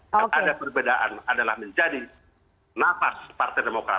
yang ada perbedaan adalah menjadi nafas partai demokrat